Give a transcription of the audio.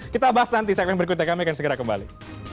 kita bahas nanti segmen berikutnya kami akan segera kembali